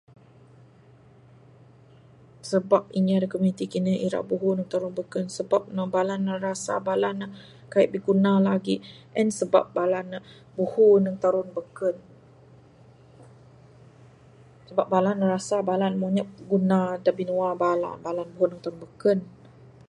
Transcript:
Sebab inya dek kumintik kinden irak buhu dek terun beken sebab nek bala ne rasa bala ne kaik biguna lagik, en sebab bala ne, buhu deg terun beken. Sebab bala nek rasa bala ne mbeh nyap guna dek binua bala, bala pun buhu de terun beken.